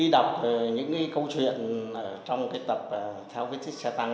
đồng đội đã từng chiến đấu với tất cả mọi người trên thế giới